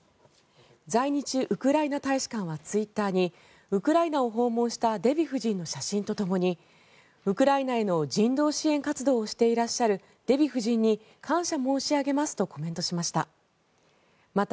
在日ウクライナ大使館はツイッターにウクライナを訪問したデヴィ夫人の写真とともにウクライナへの人道支援活動をしていらっしゃるデヴィ夫人に感謝申し上げますとコメントしました。